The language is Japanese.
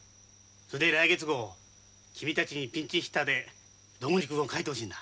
それで来月号君たちにピンチヒッターで「どんぐり君」を描いてほしいんだ。